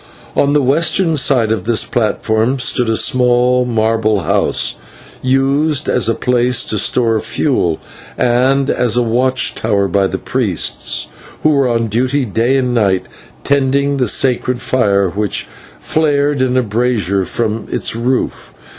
On the western side of this platform stood a small marble house, used as a place to store fuel, and as a watch tower by the priests, who were on duty day and night, tending the sacred fire which flared in a brazier from its roof.